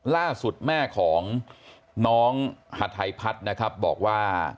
ล่าสุดแม่ของน้องหัดไทยพัฒน์นะครับบอกว่า